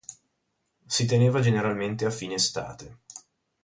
Si teneva generalmente a fine estate.